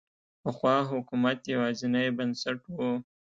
پخوا حکومت یوازینی بنسټ و.